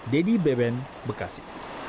dedy beben bekasi